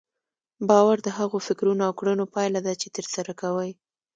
باور د هغو فکرونو او کړنو پايله ده چې ترسره کوئ.